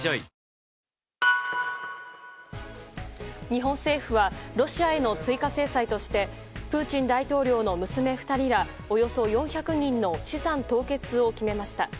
日本政府はロシアへの追加制裁としてプーチン大統領の娘２人らおよそ４００人の資産凍結を決めました。